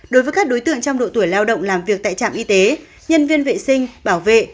đối với các đối tượng trong độ tuổi lao động làm việc tại trạm y tế nhân viên vệ sinh bảo vệ